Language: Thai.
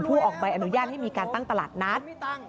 ออกใบอนุญาตให้มีการตั้งตลาดนัด